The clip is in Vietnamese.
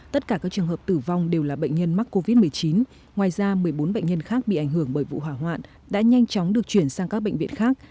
tất cả các trường hợp tử vong đều là bệnh nhân mắc covid một mươi chín ngoài ra một mươi bốn bệnh nhân khác bị ảnh hưởng bởi vụ hỏa hoạn đã nhanh chóng được chuyển sang các bệnh viện khác